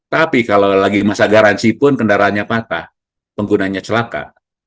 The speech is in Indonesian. tapi kalau lagi masa garansi pun kendaraannya patah penggunanya celaka